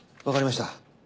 わかりました。